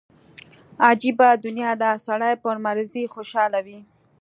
عجبه دنيا ده سړى پر مريضۍ خوشاله وي.